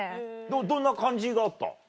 どんな感じがあった？